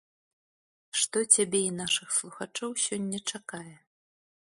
Што цябе і нашых слухачоў сёння чакае?